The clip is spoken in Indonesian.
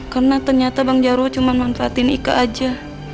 karena ternyata bang jaro cuma manfaatin ika aja